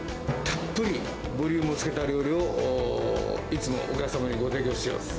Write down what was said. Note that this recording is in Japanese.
たっぷり、ボリュームをつけた料理を、いつもお客様にご提供しています。